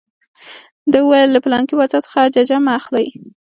ده وویل له پلانکي باچا څخه ججه مه اخلئ.